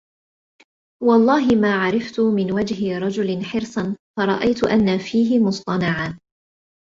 وَاَللَّهِ مَا عَرَفْتُ مِنْ وَجْهِ رَجُلٍ حِرْصًا فَرَأَيْتُ أَنَّ فِيهِ مُصْطَنَعًا